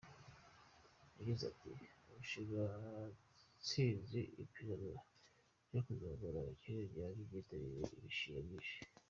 Yagize ati “ Uyu mushinga watsinze ipiganwa ryo kuzamura abakene ryari ryitabiriwe n’imishinga myinshi.